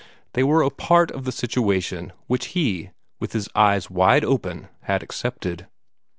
They were a part of the situation which he, with his eyes wide open, had accepted.